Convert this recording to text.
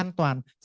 dành cho bệnh nhân